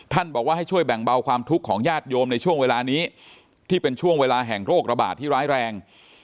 บอกว่าให้ช่วยแบ่งเบาความทุกข์ของญาติโยมในช่วงเวลานี้ที่เป็นช่วงเวลาแห่งโรคระบาดที่ร้ายแรง